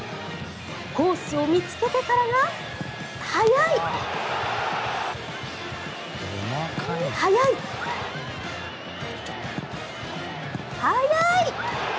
コースを見つけてからが速い、速い、速い！